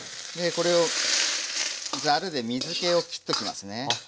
これをざるで水けをきっときますね。